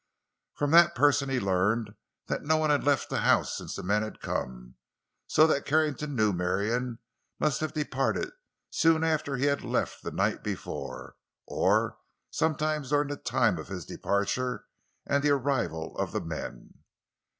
From that person he learned that no one had left the house since the men had come; so that Carrington knew Marion must have departed soon after he had left the night before—or some time during the time of his departure and the arrival of the men.